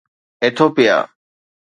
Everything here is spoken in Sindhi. ايٿوپيا